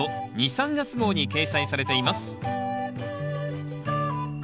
・３月号に掲載されています。